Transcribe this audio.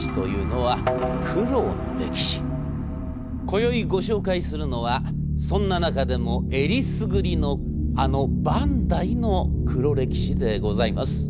今宵ご紹介するのはそんな中でもえりすぐりのあのバンダイの黒歴史でございます。